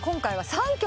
３曲！？